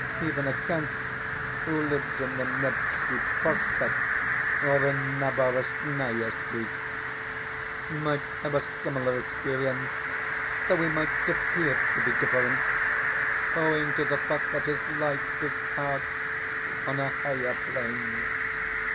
Even a count who lives in the Nevski Prospect or in Naberezhnaia Street might have a similar experience, though he might APPEAR to be different, owing to the fact that his life is cast on a higher plane.